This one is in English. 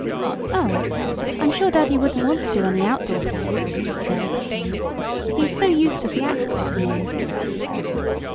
"Oh, I'm sure daddy wouldn't want to do any outdoor plays," the girl exclaimed. "He is so used to theatrical scenes."